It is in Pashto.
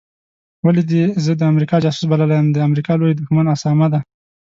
ولي دي زه د امریکا جاسوس بللی یم د امریکا لوی دښمن اسامه دی